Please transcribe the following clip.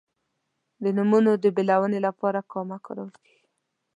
د نومونو د بېلونې لپاره کامه کارول کیږي.